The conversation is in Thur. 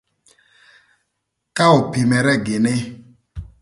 Ka opimere gïnï